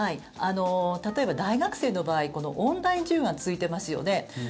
例えば、大学生の場合オンライン授業が続いてますね。